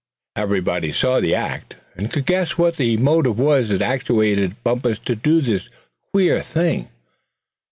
Everybody saw the act, and could guess what the motive was that actuated Bumpus to do this queer thing.